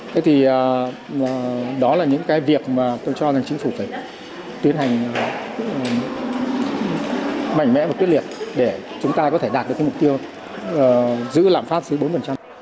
thế thì đó là những cái việc mà tôi cho rằng chính phủ phải tuyến hành mạnh mẽ và tuyết liệt để chúng ta có thể đạt được mục tiêu giữ lạm pháp dưới bốn